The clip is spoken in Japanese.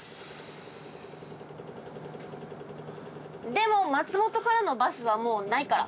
でも松本からのバスはもうないから。